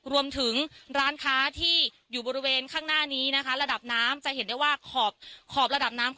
รวมถึงร้านค้าที่อยู่บริเวณข้างหน้านี้นะคะระดับน้ำจะเห็นได้ว่าขอขอบระดับน้ำ